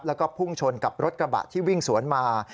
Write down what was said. แล้วก็พุ่งชนกับรถกระบะที่วิ่งสวนมา